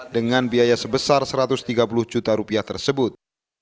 dengan biaya sebesar satu ratus tiga puluh juta rupiah tersebut